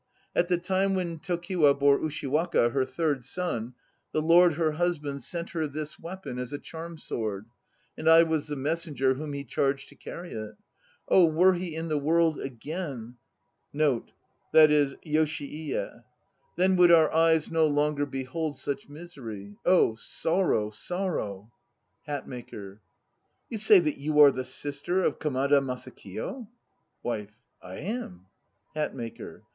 At the time when Tokiwa bore Ushiwaka, her third son, the lord her husband sent her this weapon as a charm sword, and I was the messenger whom he charged to carry it. Oh were he in the world again; x then would our eyes no longer behold such misery. Oh sorrow, sorrow ! HATMAKER. You say that you are the sister of Kamada Masakiyo? WIFE. I am. HATMAKER.